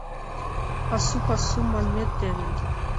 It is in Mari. Пасу-пасу манмет дене